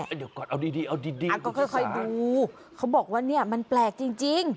เดี๋ยวก่อนเอาดีคุณภรรยาชาเนี่ยค่ะขอค่อยดูเขาบอกว่าเนี่ยมันแปลกจริง